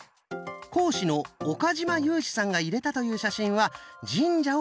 講師の岡嶋裕史さんが入れたという写真は神社を写したもの。